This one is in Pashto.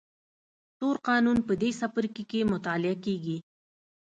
تور قانون په دې څپرکي کې مطالعه کېږي.